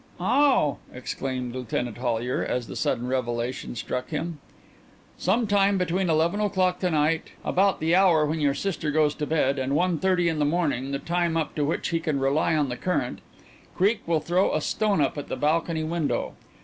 "Oh!" exclaimed Lieutenant Hollyer, as the sudden revelation struck him. "Some time between eleven o'clock to night about the hour when your sister goes to bed and one thirty in the morning the time up to which he can rely on the current Creake will throw a stone up at the balcony window.